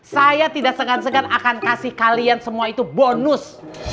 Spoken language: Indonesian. saya tidak segan segan akan kasih kalian semua itu bonus